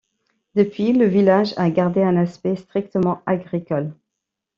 Depuis, le village a gardé un aspect strictement agricole.